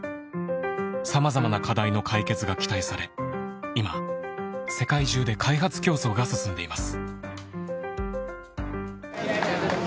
さまざまな課題の解決が期待され今世界中で開発競争が進んでいます。